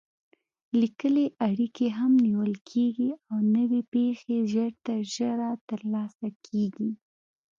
لیکلې اړیکې هم نیول کېږي او نوې پېښې ژر تر ژره ترلاسه کېږي.